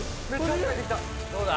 どうだ？